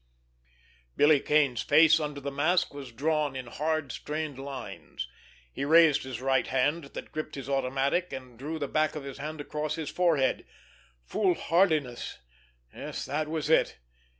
Billy Kane's face, under the mask, was drawn in hard, strained lines; he raised his right hand, that gripped his automatic, and drew the back of his hand across his forehead. Foolhardiness! Yes, that was it!